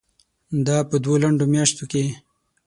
دا به په دوو لنډو میاشتو کې